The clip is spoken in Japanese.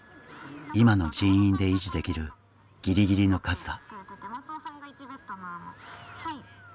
今の人員で維持できるぎりぎりの数だ。